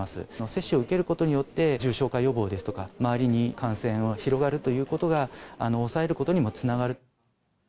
接種を受けることによって、重症化予防ですとか、周りに感染を広がるということが抑えることにもつながる。